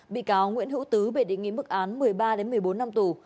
bị cáo nguyễn hữu tứ bị đề nghị mức án một mươi ba một mươi bốn năm tù